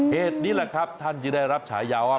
เหตุนี้แหละครับท่านจะได้รับฉายาว่า